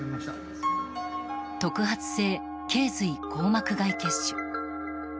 特発性頸髄硬膜外血腫。